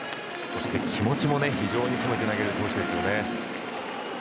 そして気持ちも非常に込めて投げる投手です。